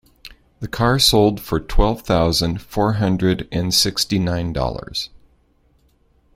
The car sold for twelve thousand four hundred and sixty nine dollars.